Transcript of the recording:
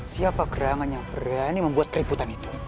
siapa gerangan yang berani membuat keributan itu